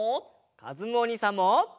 かずむおにいさんも！